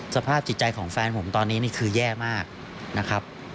สภาพจิตใจของแฟนผมตอนนี้นี่คือแย่มากนะครับ